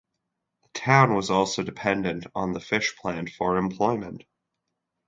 The town was also dependent on the fish plant for employment.